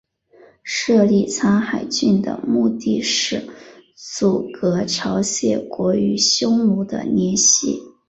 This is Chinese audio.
设立苍海郡的目的是阻隔朝鲜国与匈奴的联系。